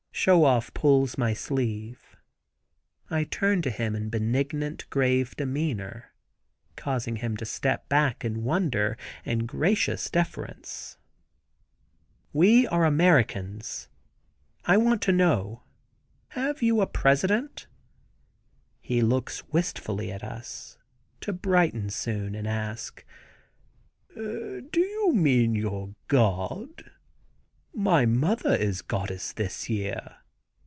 Show Off pulls my sleeve. I turn to him in benignant, grave demeanor, causing him to step back in wonder and gracious deference. "We are Americans, I want you to know. Have you a President?" He looks wistfully at us, to brighten soon and ask: "Do you mean your God? My mother is goddess this year.